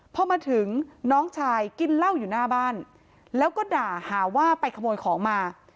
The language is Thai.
พอมาถึงน้องชายกินเหล้าอยู่หน้าบ้านแล้วก็ด่าหาว่าไปขโมยของมา